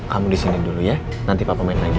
kamu disini dulu ya nanti papa main lagi